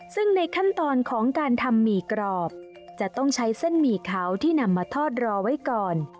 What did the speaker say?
ซึ่งในขั้นตอนของการทำหมี่กรอบจะต้องใช้เส้นหมี่ขาวที่นำมาทอดรอไว้ก่อน